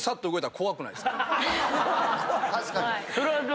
確かに。